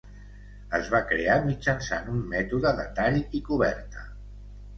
Es va crear mitjançant un mètode de tall i coberta.